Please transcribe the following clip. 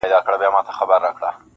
• ورته بند یې کړله نس ته خپل ښکرونه -